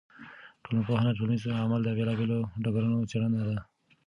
ټولنپوهنه د ټولنیز عمل د بېلا بېلو ډګرونو څېړنه ده.